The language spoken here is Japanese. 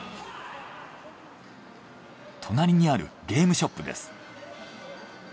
隣にあるゲームショップです。